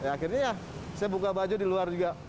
akhirnya ya saya buka baju di luar juga